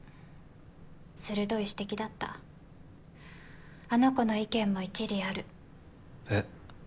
鋭い指摘だったあの子の意見も一理あるえっ？